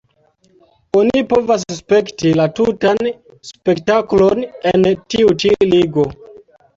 Oni povas spekti la tutan spektaklon en tiu ĉi ligo.